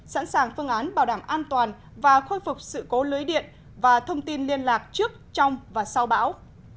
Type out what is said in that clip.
sẵn sàng phương án bảo đảm an toàn và khôi phục sự cố lưới điện và thông tin liên lạc trước trong và sau bão